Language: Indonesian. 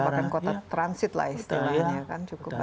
ini merupakan kota transit lah istilahnya kan cukup banyak